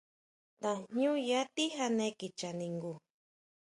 Tajñúya tijane kicha ningu.